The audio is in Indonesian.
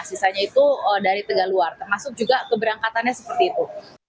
sisanya itu dari tegaluar termasuk juga keberangkatannya seperti itu